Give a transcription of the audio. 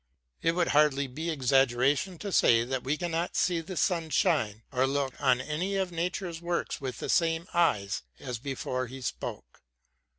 It would hardly be exaggeration to say that we cannot see the sun shine or look on any of nature's works with the same eyes as before he spoke.